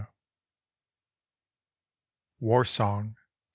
10 WAR SONG.